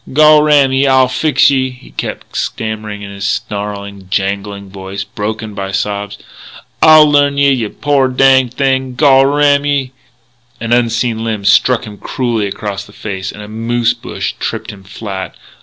"Gol ram ye, I'll fix ye!" he kept stammering in his snarling, jangling voice, broken by sobs. "I'll learn ye, yeh poor danged thing, gol ram ye " An unseen limb struck him cruelly across the face, and a moose bush tripped him flat.